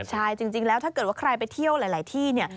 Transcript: ใช่จริงแล้วถ้าเกิดว่าใครไปเที่ยวหลายที่เนี่ย